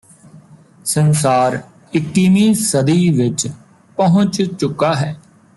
ਸੰਸਾਰ ਇੱਕੀਵੀਂ ਸਦੀ ਵਿਚ ਪਹੁੰਚ ਚੁੱਕਾ ਹੈ